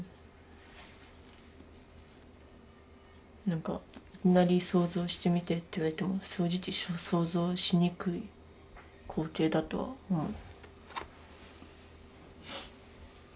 何かいきなり想像してみてと言われても正直想像しにくい光景だとは思う。